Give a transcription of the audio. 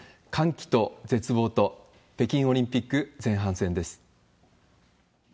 歓喜と絶望と、北京オリンピック前半戦です。